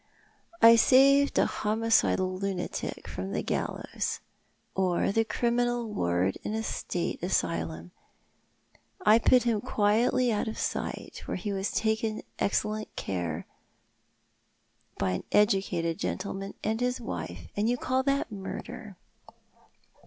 " I saved a homicidal lunatic from the gallows — or the criminal ward in a State asylum — I put him quietly out of sight, where he was taken excellent care of by an educated gentleman and his wife — and you call that murder